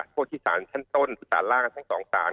โทษที่สารชั้นต้นสารล่างทั้ง๒สาร